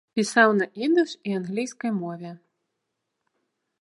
Пісаў на ідыш і англійскай мове.